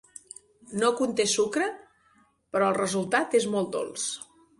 No conté sucre però el resultat és molt dolç.